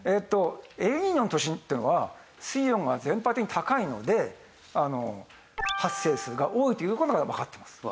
エルニーニョの年っていうのは水温が全体的に高いので発生数が多いという事がわかってます。